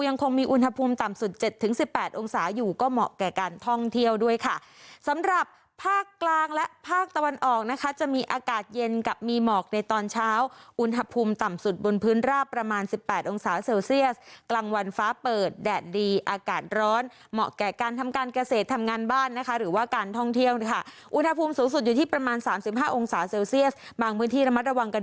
๑๘องศาอยู่ก็เหมาะแก่การท่องเที่ยวด้วยค่ะสำหรับภาคกลางและภาคตะวันออกนะคะจะมีอากาศเย็นกับมีหมอกในตอนเช้าอุณหภูมิต่ำสุดบนพื้นราบประมาณ๑๘องศาเซลเซียสกลางวันฟ้าเปิดแดดดีอากาศร้อนเหมาะแก่การทำการเกษตรทำงานบ้านนะคะหรือว่าการท่องเที่ยวค่ะอุณหภูมิสูงสุดอยู่ที่ประมาณ๓๕